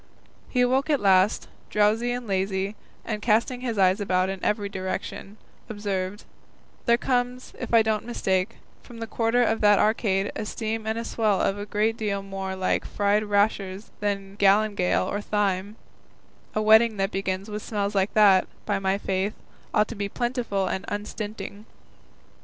He awoke at last, drowsy and lazy, and casting his eyes about in every direction, observed, "There comes, if I don't mistake, from the quarter of that arcade a steam and a smell a great deal more like fried rashers than galingale or thyme; a wedding that begins with smells like that, by my faith, ought to be plentiful and unstinting."